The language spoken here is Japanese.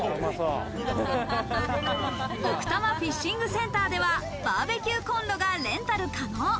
奥多摩フィッシングセンターではバーベキューコンロがレンタル可能。